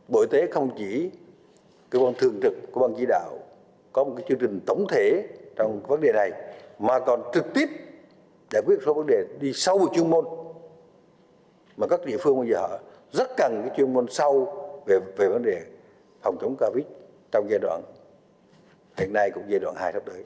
phòng chống covid một mươi chín trong giai đoạn hiện nay cũng giai đoạn hai sắp tới